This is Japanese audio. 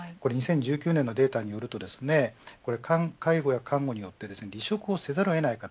２０１９年のデータによると看護や介護によって離職をせざるをえない方